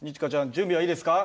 準備はいいですか？